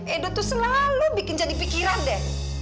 edo tuh selalu bikin jadi pikiran deh